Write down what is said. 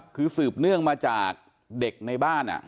คือสืบเนื่องมาจากเด็กในบ้าน